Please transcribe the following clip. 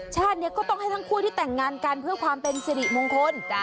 ชาตินี้ก็ต้องให้ทั้งคู่ที่แต่งงานกันเพื่อความเป็นสิริมงคล